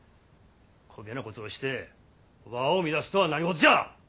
こげなこつをして和を乱すとは何事じゃ。